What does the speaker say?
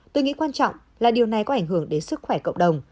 tôi nghĩ quan trọng là điều này có ảnh hưởng đến sức khỏe cộng đồng